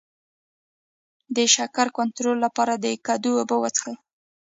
د شکر کنټرول لپاره د کدو اوبه وڅښئ